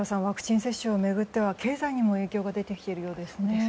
ワクチン接種を巡っては経済にも影響が出てきているようですね。